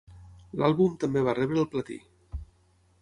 L'àlbum també va rebre el platí.